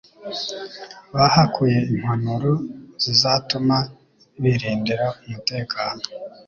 bahakuye impanuro zizatuma birindira umutekano.